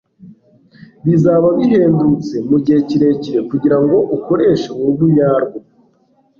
Bizaba bihendutse mugihe kirekire kugirango ukoreshe uruhu nyarwo